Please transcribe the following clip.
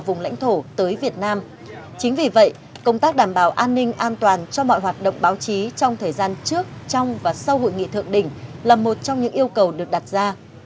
trong thời gian trước công tác đảm bảo an ninh an toàn cho mọi hoạt động báo chí trong thời gian trước trong và sau hội nghị thượng đỉnh là một trong những yêu cầu được đặt ra